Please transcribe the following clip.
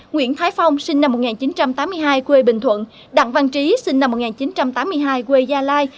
nguyễn thái phong sinh năm một nghìn chín trăm tám mươi hai quê bình thuận đặng văn trí sinh năm một nghìn chín trăm tám mươi hai quê gia lai